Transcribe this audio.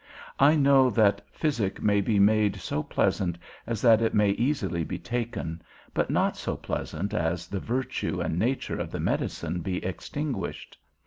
I know that "physic may be made so pleasant as that it may easily be taken; but not so pleasant as the virtue and nature of the medicine be extinguished."